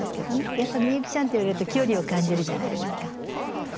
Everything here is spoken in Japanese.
やっぱ「美幸ちゃん」って言われると距離を感じるじゃないですか。